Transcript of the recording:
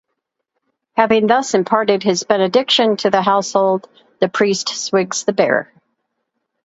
Having thus imparted his benediction to the household, the priest swigs the bear.